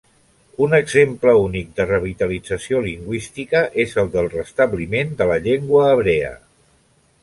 Un exemple únic de revitalització lingüística és el del restabliment de la llengua hebrea.